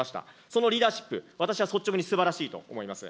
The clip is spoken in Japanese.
そのリーダーシップ、私は率直にすばらしいと思います。